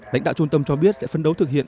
lãnh đạo trung tâm cho biết sẽ phân đấu thực hiện